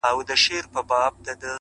زما پښتون زما ښايسته اولس ته،